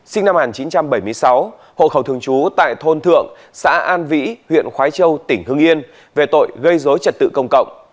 sinh năm một nghìn chín trăm bảy mươi sáu hộ khẩu thường trú tại thôn thượng xã an vĩ huyện khoái châu tỉnh hưng yên về tội gây dối trật tự công cộng